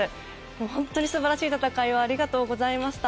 本当に素晴らしい戦いをありがとうございました。